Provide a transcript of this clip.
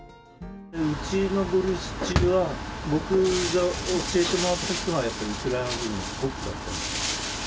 うちのボルシチは、僕が教えてもらった人が、やっぱり、ウクライナのコックだったんで。